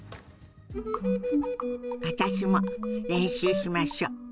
私も練習しましょ。